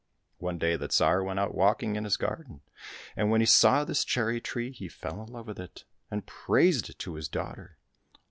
One day the Tsar went out walking in his garden, and when he saw this cherry tree he fell in love with it, and praised it to his daughter.